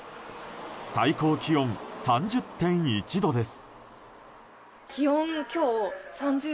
最高気温３０．１度です。